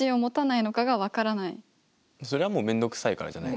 それはもう面倒くさいからじゃないの。